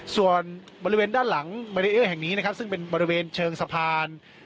ส่วนบริเวณด้านหลังมารีเออร์แห่งนี้นะครับซึ่งเป็นบริเวณเชิงสะพาน